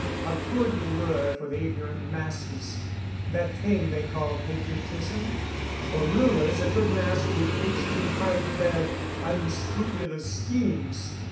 A good lure for the ignorant masses, that thing they call patriotism. For rulers, a good mask with which to hide their unscrupulous schemes.